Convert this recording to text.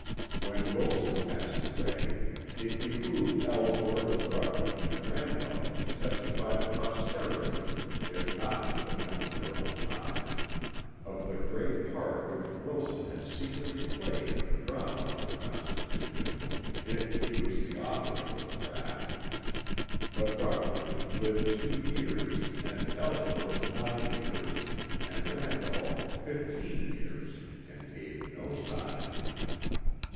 When Wilson passed away it behooved Ellsworth and Rutledge and Randolph to testify to posterity, if not to the men of their own time, of the great part which Wilson had secretly played in the drama of the Constitution, if he was the author of the draught. But Rutledge lived two years, and Ellsworth nine years, and Randolph fifteen years, and gave no sign.